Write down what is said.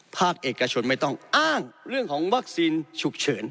ภาคเอกชนไม่ต้องอ้างเรื่องของวัคซีนฉุกเฉิน